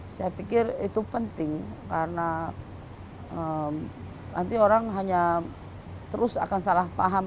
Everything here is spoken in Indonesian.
saya pikir itu penting karena nanti orang hanya terus akan salah paham